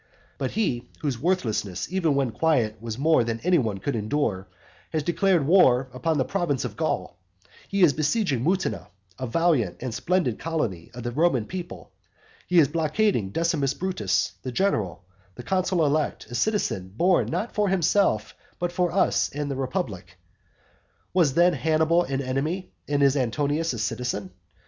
But he, whose worthlessness even when quiet was more than any one could endure, has declared war upon the province of Gaul; he is besieging Mutina, a valiant and splendid colony of the Roman people; he is blockading Decimus Brutus, the general, the consul elect, a citizen born not for himself, but for us and the republic. Was then Hannibal an enemy, and is Antonius a citizen?